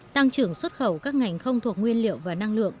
tăng trưởng xuất khẩu các ngành không thuộc nguyên liệu và năng lượng